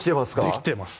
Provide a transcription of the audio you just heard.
できてます